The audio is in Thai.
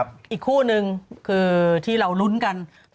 มาแล้ว